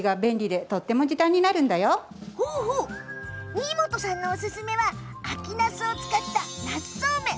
仁井本さんのおすすめは秋なすを使った、なすそうめん。